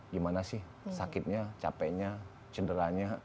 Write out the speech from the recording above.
gimana sih sakitnya capeknya cederanya